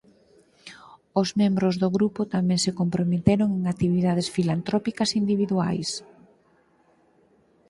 Os membros do grupo tamén se comprometeron en actividades filantrópicas individuais.